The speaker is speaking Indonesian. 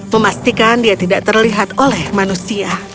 memastikan dia tidak terlihat oleh manusia